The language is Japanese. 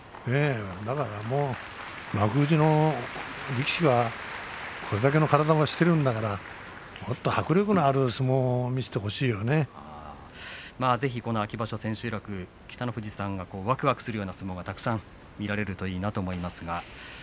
だからもう幕内の力士はこれだけの体をしているんだからもっと迫力のある相撲をぜひこの秋場所千秋楽北の富士さんがわくわくするような相撲がたくさん見られればいいなと思いますけれども。